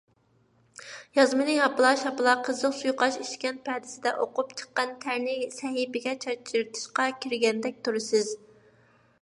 يازمىنى ھاپىلا - شاپىلا قىزىق سۇيۇقئاش ئىچكەن پەدىسىدە ئوقۇپ، چىققان تەرنى سەھىپىگە چاچرىتىشقا كىرگەندەك تۇرىسىز.